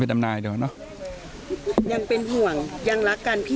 เพล็ดนำนายดีกว่าเนาะ